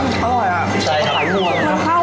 มันเข้ามากเลยอ่ะพี่เอ